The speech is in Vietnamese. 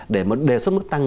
để đề xuất mức tăng